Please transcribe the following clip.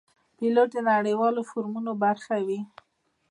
پیلوټ د نړیوالو فورمونو برخه وي.